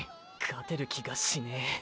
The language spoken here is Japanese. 勝てる気がしねェ。